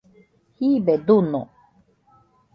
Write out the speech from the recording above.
jibe duño